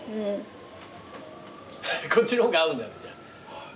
こっちの方が合うんじゃない？